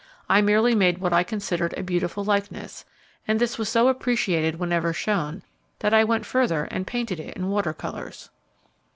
I merely made what I considered a beautiful likeness, and this was so appreciated whenever shown, that I went further and painted it in water colours.